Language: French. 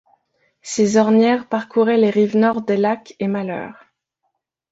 Ces ornières parcouraient les rives nord des lacs et Malheur.